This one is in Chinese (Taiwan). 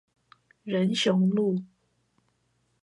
仁雄路